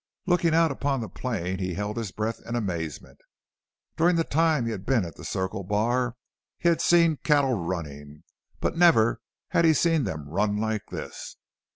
Looking out upon the plain he held his breath in amazement. During the time he had been at the Circle Bar he had seen cattle running, but never had he seen them run like this.